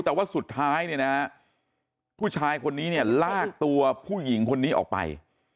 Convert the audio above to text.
แต่ว่าสุดท้ายผู้ชายคนนี้ลากตัวผู้หญิงคนนี้ออกไป